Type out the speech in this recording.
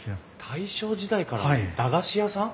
大正時代からの駄菓子屋さん？